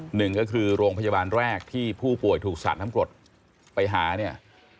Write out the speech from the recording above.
หนึ่งก็คือโรงพยาบาลแรกที่ผู้ป่วยถูกสาดน้ำกรดไปหาเนี่ย